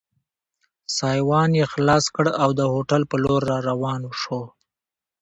سایوان یې خلاص کړ او د هوټل په لور را روان شو.